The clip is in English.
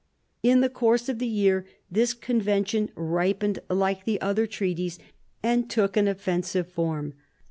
In the course of the year this con vention ripened like the other treaties and took an offensive form.